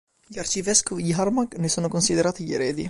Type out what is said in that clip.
Gli arcivescovi di Armagh ne sono considerati gli eredi.